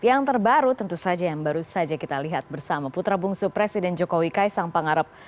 yang terbaru tentu saja yang baru saja kita lihat bersama putra bungsu presiden jokowi kaisang pangarep